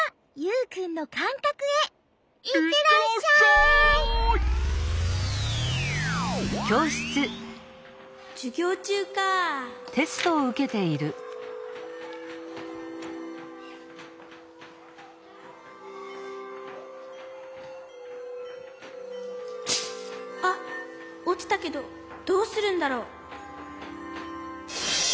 こころのこえあっおちたけどどうするんだろう？